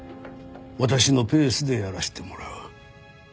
私のペースでやらせてもらう。